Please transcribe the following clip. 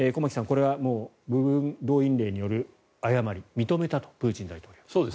これは部分動員令による誤りを認めたと、プーチン大統領が。